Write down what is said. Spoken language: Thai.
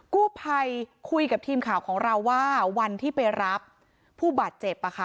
กู้ภัยคุยกับทีมข่าวของเราว่าวันที่ไปรับผู้บาดเจ็บ